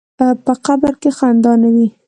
په قبر کې خندا نه وي.